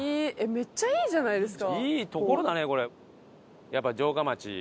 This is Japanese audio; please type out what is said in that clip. めっちゃいいじゃないですか。